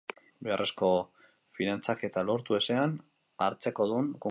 Beharrezko finantzaketa lortu ezean, hartzekodun konkurtsoan sar liteke.